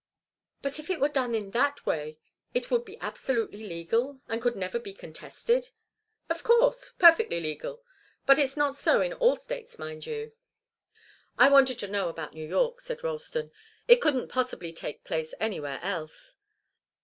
"But if it were done in that way it would be absolutely legal and could never be contested?" "Of course perfectly legal. But it's not so in all States, mind you." "I wanted to know about New York," said Ralston. "It couldn't possibly take place anywhere else."